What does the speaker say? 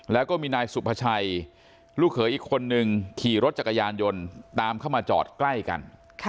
แล้วก็มีนายสุภาชัยลูกเขยอีกคนนึงขี่รถจักรยานยนต์ตามเข้ามาจอดใกล้กัน